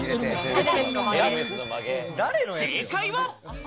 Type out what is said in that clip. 正解は。